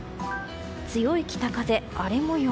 強い北風、荒れ模様。